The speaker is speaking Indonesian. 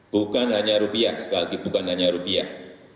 bukan hanya rupiah sekali lagi bukan hanya rupiah